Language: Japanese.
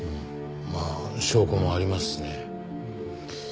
まあ証拠もありますしね。